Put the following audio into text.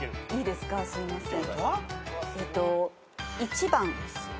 すいません。